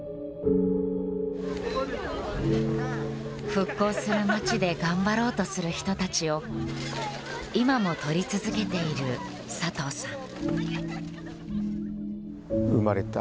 復興する町で頑張ろうとする人たちを今も撮り続けている佐藤さん。